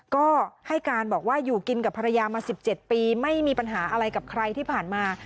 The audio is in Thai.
ก็ให้การบอกว่าอยู่กินกับภรรยามา๑๗ปีไม่มีปัญหาอะไรกับใครที่ผ่านมา